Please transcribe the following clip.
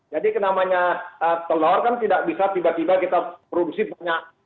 jadi kenamanya telur kan tidak bisa tiba tiba kita produksi banyak